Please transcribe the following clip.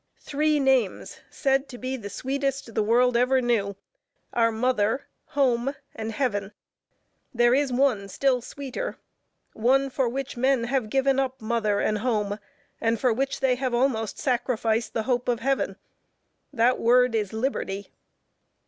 Three names, said to be the sweetest the world ever knew, are mother, home, and heaven. There is one still sweeter one for which men have given up mother and home, and for which they have almost sacrificed the hope of heaven; that word is LIBERTY.